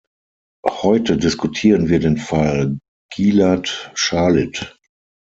Heute diskutieren wir den Fall Gilad Shalit.